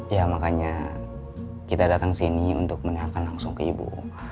ya makanya kita datang sini untuk menanyakan langsung ke ibu